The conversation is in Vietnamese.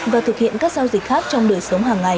và thực hiện các giao dịch khác trong đời sống hàng ngày